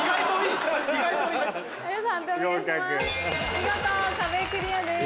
見事壁クリアです。